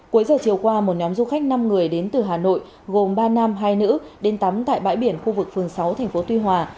cuối giờ chiều qua một nhóm du khách năm người đến từ hà nội gồm ba nam hai nữ đến tắm tại bãi biển khu vực phường sáu tp tuy hòa